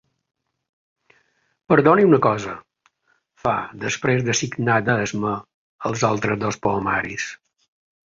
Perdoni una cosa —fa, després de signar d'esma els altres dos poemaris—.